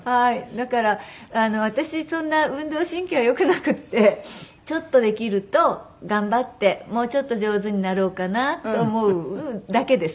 だから私そんな運動神経はよくなくってちょっとできると頑張ってもうちょっと上手になろうかなと思うだけです。